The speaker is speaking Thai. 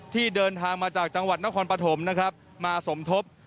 ที่เดินทางมาจากจังหวัดนครปฐมนะครับมาสมทบ